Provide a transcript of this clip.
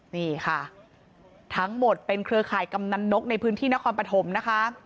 นี่ค่ะทั้งหมดเป็นเครือข่ายกำนันนกในพื้นที่นครปฐมนะคะ